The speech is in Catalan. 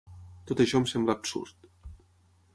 Tot això em sembla absurd.